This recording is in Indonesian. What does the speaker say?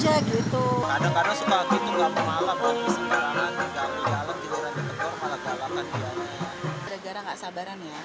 ada gara gak sabaran ya